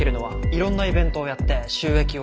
いろんなイベントをやって収益を上げる。